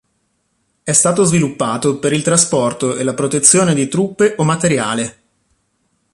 È stato sviluppato per il trasporto e la protezione di truppe o materiale.